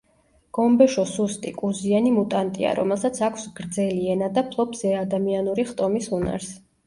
გომბეშო სუსტი, კუზიანი მუტანტია, რომელსაც აქვს გრძელი ენა და ფლობს ზეადამიანური ხტომის უნარს.